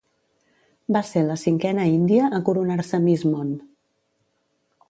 Va ser la cinquena índia a coronar-se Miss Món.